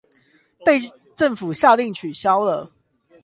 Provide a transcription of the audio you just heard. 被政府下令取消了